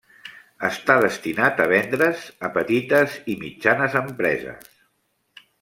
Està destinat a vendre's a petites i mitjanes empreses.